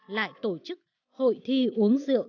lại tổ chức hội thi uống rượu